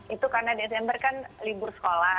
itu karena desember kan libur sekolah